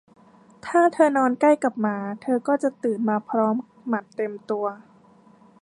ถ้าเธอนอนใกล้กับหมา เธอก็จะตื่นมาพร้อมหมัดเต็มตัว